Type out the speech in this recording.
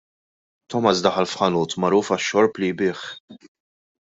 Thomas daħal f'ħanut magħruf għax-xorb li jbigħ.